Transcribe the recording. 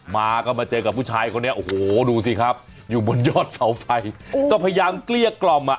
มาก็มาเจอกับผู้ชายคนนี้โอ้โหดูสิครับอยู่บนยอดเสาไฟก็พยายามเกลี้ยกล่อมอ่ะ